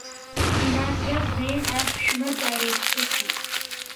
Иназгаз днеин, аԥшәма дааирҿыхеит.